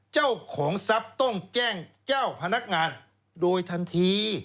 เจ้าของทรัพย์ต้องแจ้งเจ้าพนักงานโดยทันที